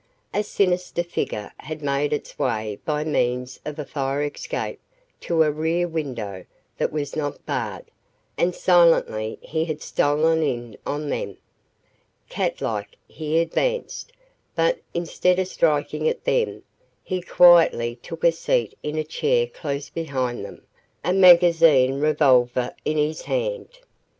A sinister figure had made its way by means of a fire escape to a rear window that was not barred, and silently he had stolen in on them. Cat like, he advanced, but instead of striking at them, he quietly took a seat in a chair close behind them, a magazine revolver in his hand.